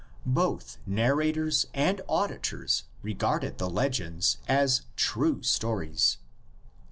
Both narrators and auditors regarded the legends as "true" stories.